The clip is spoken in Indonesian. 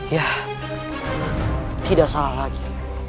ya tidak salah lagi